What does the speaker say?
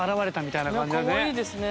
かわいいですね。